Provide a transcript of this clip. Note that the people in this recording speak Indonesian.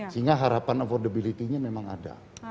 sehingga harapan affordability nya memang ada